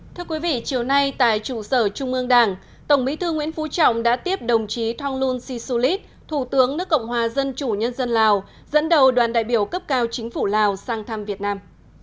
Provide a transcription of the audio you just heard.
thưa quý vị chiều nay tại trụ sở trung ương đảng tổng bí thư nguyễn phú trọng đã tiếp đồng chí thonglun sisulit thủ tướng nước cộng hòa dân chủ nhân dân lào dẫn đầu đoàn đại biểu cấp cao chính phủ lào sang thăm việt nam